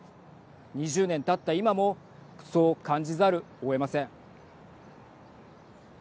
２０年たった今もそう感じざるをえません。